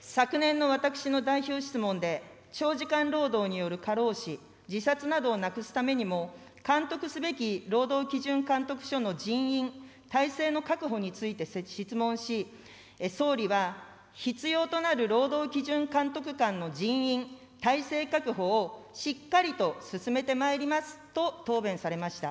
昨年の私の代表質問で、長時間労働による過労死、自殺などをなくすためにも、監督すべき労働基準監督署の人員、体制の確保について質問し、総理は、必要となる労働基準監督官の人員、体制確保をしっかりと進めてまいりますと答弁されました。